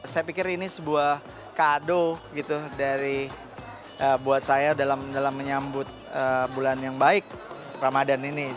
saya pikir ini sebuah kado gitu dari buat saya dalam menyambut bulan yang baik ramadan ini